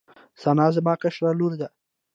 ثنا زما کشره لور ده